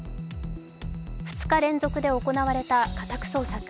２日連続で行われた家宅捜索。